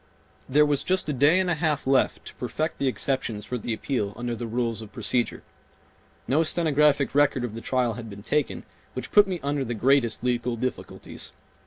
There was just a day and a half left to perfect the exceptions for the appeal under the rules of procedure. No stenographic record of the trial had been taken, which put me under the greatest legal difficulties.